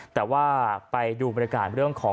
แต่ว่าไปดูบรรยากาศเรื่องของ